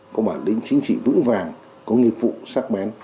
có bản lĩnh chính trị vững vàng có nghiệp vụ sắc bén